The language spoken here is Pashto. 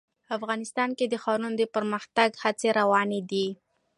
افغانستان کې د ښارونه د پرمختګ هڅې روانې دي.